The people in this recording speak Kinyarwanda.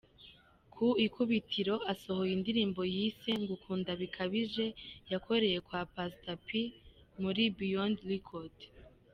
Ku ikubitiro asohoye indirimbo yise ‘Ngukunda bikabije’ yakoreye kwa Pastor P muri Beyond Record.